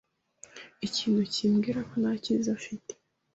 Ikintu kimbwira ko nta cyiza afite.